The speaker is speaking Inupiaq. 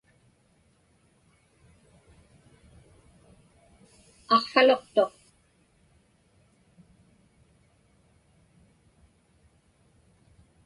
Aqvaluqtuq.